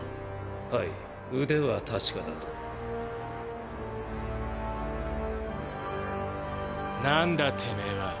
はい腕は確かだと。なんだてめぇは。